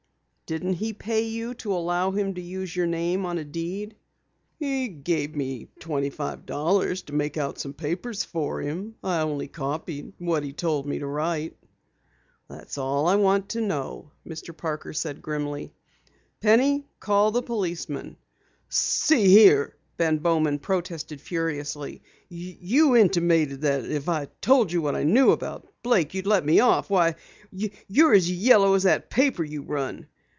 "Didn't he pay you to allow him to use your name on a deed?" "He gave me twenty five dollars to make out some papers for him. I only copied what he told me to write." "That's all I want to know," Mr. Parker said grimly. "Penny, call the policeman!" "See here," Bowman protested furiously, "you intimated that if I told what I knew about Blake you'd let me off. Why, you're as yellow as that paper you run!"